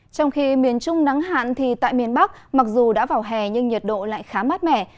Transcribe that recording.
trong khi miền trung nắng hạn thì tại miền bắc mặc dù đã vào hè nhưng nhiệt độ lại khá mát mẻ